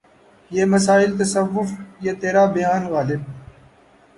یہ مسائل تصوف یہ ترا بیان غالبؔ